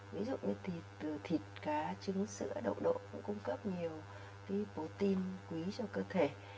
ví dụ như thì thịt cá trứng sữa đậu độ cũng cung cấp nhiều cái protein quý cho cơ thể